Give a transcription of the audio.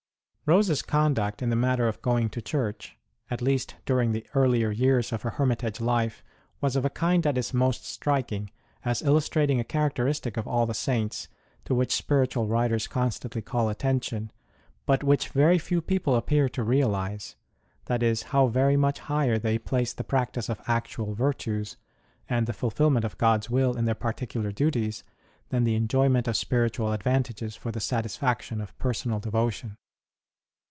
Rose s conduct in the matter of going to church, at least during the earlier years of her io6 ST. ROSE OF LIMA hermitage life, was of a kind that is most striking, as illustrating a characteristic of all the Saints to which spiritual writers constantly call attention, but which very few people appear to realize : that is, how very much higher they place the practice of actual virtues, and the fulfilment of God s will in their particular duties, than the enjoyment of spiritual advantages for the satisfaction of personal devotion.